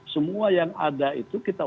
semua yang ada itu kita